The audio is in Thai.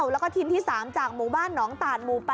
แล้วก็ทีมที่๓จากหมู่บ้านหนองตาดหมู่๘